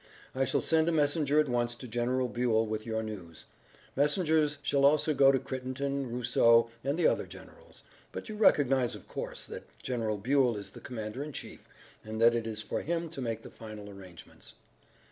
I shall send a messenger at once to General Buell with your news. Messengers shall also go to Crittenden, Rousseau, and the other generals. But you recognize, of course, that General Buell is the commander in chief, and that it is for him to make the final arrangements."